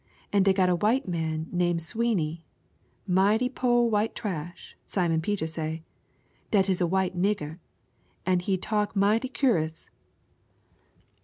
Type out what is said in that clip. An' dey got a white man name' Sweeney mighty po' white trash, Simon Peter say dat is a white nigger, an' he talk mighty cu'rus.